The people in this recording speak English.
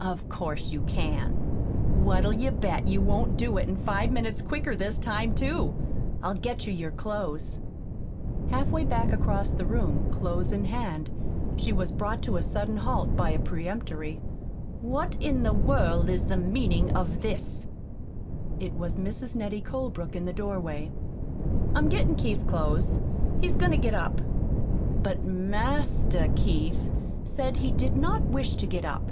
"Of course you can! What'll you bet you won't do it five minutes quicker this time, too? I'll get your clothes." Halfway back across the room, clothes in hand, she was brought to a sudden halt by a peremptory: "What in the world is the meaning of this?" It was Mrs. Nettie Colebrook in the doorway. "I'm gettin' Keith's clothes. He's goin' to get up." "But MASTER Keith said he did not wish to get up."